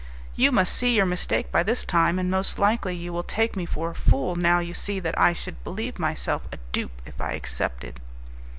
"You must see your mistake by this time, and most likely you will take me for a fool now you see that I should believe myself a dupe if I accepted."